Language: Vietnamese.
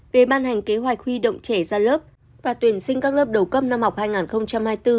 về ban hành kế hoạch huy động trẻ ra lớp và tuyển sinh các lớp đầu cấp năm học hai nghìn hai mươi bốn hai nghìn hai mươi năm